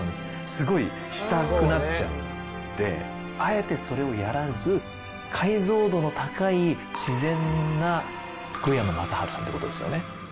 すごいしたくなっちゃうんであえてそれをやらず解像度の高いさんってことですよね